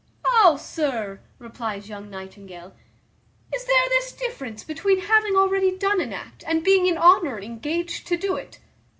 "How, sir?" replies young Nightingale, "is there this difference between having already done an act, and being in honour engaged to do it?"